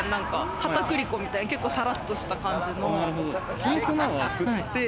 片栗粉みたいな、さらっとした感じの。